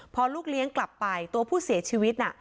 พอลูกเลี้ยงกลับไปตัวผู้เสียชีวิตน่ะ